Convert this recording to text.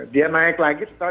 dia naik lagi setelah